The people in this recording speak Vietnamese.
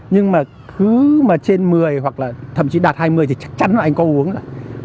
nhưng mà cứ mà trên một mươi hoặc là thậm chí đạt hai mươi thì chắc chắn là anh có uống đấy